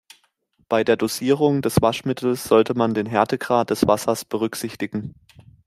Bei der Dosierung des Waschmittels sollte man den Härtegrad des Wassers berücksichtigen.